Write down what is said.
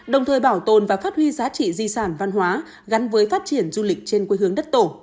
đồng thời bảo tồn và phát huy giá trị di sản văn hóa gắn với phát triển du lịch trên quê hương đất tổ